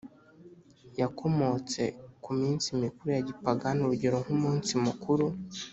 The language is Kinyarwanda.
Yakomotse ku minsi mikuru ya gipagani urugero nk umunsi mukuru